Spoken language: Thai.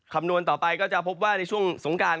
คำนวณต่อไปก็จะพบว่าในช่วงสงการ